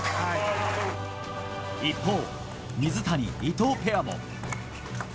一方、水谷、伊藤ペアも。